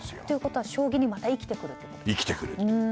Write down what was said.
ということは将棋にまた生きてくるということですか。